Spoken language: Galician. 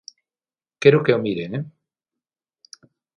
Quero que o miren, ¡eh!